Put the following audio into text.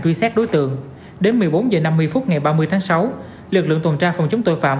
truy xét đối tượng đến một mươi bốn h năm mươi phút ngày ba mươi tháng sáu lực lượng tuần tra phòng chống tội phạm